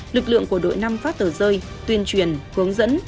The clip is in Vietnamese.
lực lượng của đội năm phát tờ rơi tuyên truyền hướng dẫn